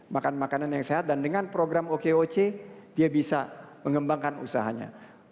makan makanan yang sehat dan dengan program okoc dia bisa mengembangkan usahanya